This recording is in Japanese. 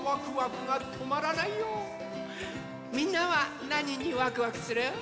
みんなはなににワクワクする？